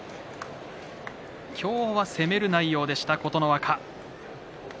今日は攻める内容でした、琴ノ若。